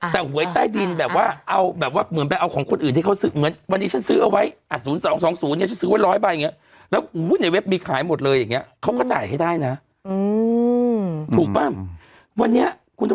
แต่หวยต้ายดินแบบว่าเอาของคนอื่นวันนี้ฉันซื้อเอาไว้